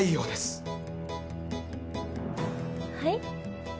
はい？